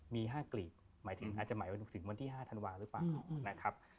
มี๕กลีบอาจจะหมายถึงวันที่๕ธันวาคมหรือเปล่านะครับ